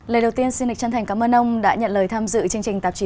lời đầu tiên xin lịch chân thành cảm ơn ông đã nhận lời tham dự chương trình tạp chí